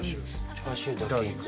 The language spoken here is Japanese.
チャーシューだけいく？